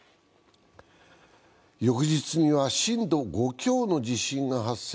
翌日には震度５強の地震が発生。